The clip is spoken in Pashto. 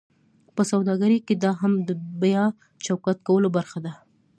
په سوداګرۍ کې دا هم د بیا چوکاټ کولو برخه ده: